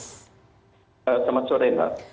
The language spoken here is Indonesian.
selamat sore inha